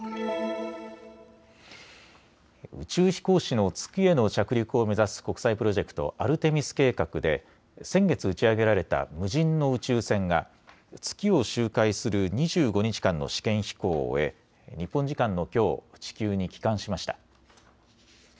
宇宙飛行士の月への着陸を目指す国際プロジェクト、アルテミス計画で先月、打ち上げられた無人の宇宙船が月を周回する２５日間の試験飛行を終え日本時間のきょう地球に帰還しました。